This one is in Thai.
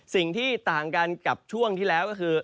สิ่งที่ต่างกันกับช่วงที่แล้วก็คือ